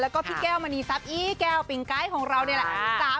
แล้วก็พี่แก้วมณีซับอี้แก้วปิงไก้ของเราเนี่ยแหละ